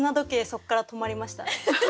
そこから止まりましたね。